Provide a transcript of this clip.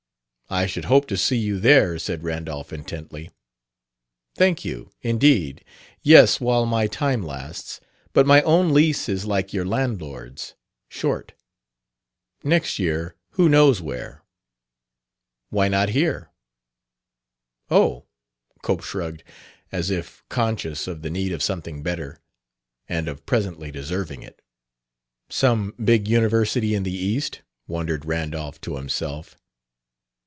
"I should hope to see you there," said Randolph intently. "Thank you, indeed. Yes, while my time lasts. But my own lease is like your landlord's short. Next year, who knows where?" "Why not here?" "Oh!" Cope shrugged, as if conscious of the need of something better, and of presently deserving it. "Some big university in the East?" wondered Randolph to himself.